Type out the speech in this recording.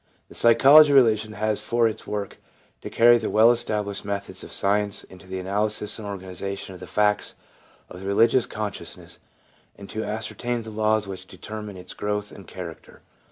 The Psychology of Religion has for its work to carry the well established methods of science into the analysis and organisation of the facts of the religious consciousness, and to ascertain the laws which determine its growth and character.